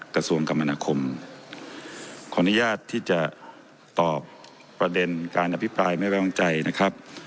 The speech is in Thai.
ขออนุญาตที่จะตอบประเด็นการอภิปรายไม่แววบังใจนะครับ